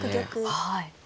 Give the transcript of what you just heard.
はい。